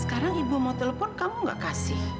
sekarang ibu mau telepon kamu gak kasih